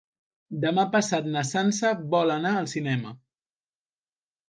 Demà passat na Sança vol anar al cinema.